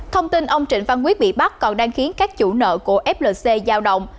thông tin ông trịnh văn quyết bị bắt còn đang khiến các chủ nợ của flc giao động